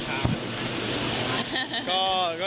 ก็คลัวนะคุณค้า